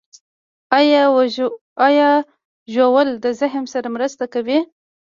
ایا ژوول د هضم سره مرسته کوي؟